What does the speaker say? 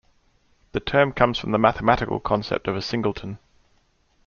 The term comes from the mathematical concept of a singleton.